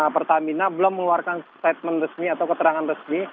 pertamina belum mengeluarkan statement resmi atau keterangan resmi